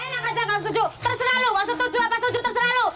eh nak aja gak setuju terserah lo setuju apa setuju terserah lo